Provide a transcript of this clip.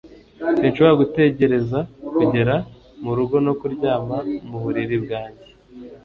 Sinshobora gutegereza kugera mu rugo no kuryama mu buriri bwanjye